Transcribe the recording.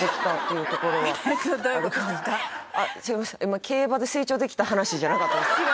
今競馬で成長できた話じゃなかったですか？